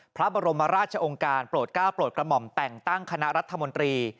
พระบรมราชองค์การโปรดก้าวโปรดกระหม่อมแต่งตั้งคณะรัฐมนตรี